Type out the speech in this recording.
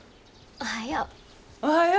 おはよう。